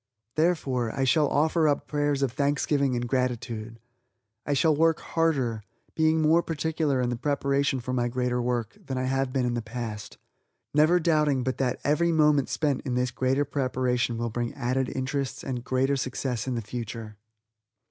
Therefore, I shall offer up prayers of thanksgiving and gratitude; I shall work harder, being more particular in the preparation for my greater work, than I have been in the past never doubting but that every moment spent in this greater preparation will bring added interests, and a greater success in the future.